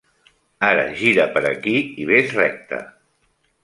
Ara gira per aquí i ves recte.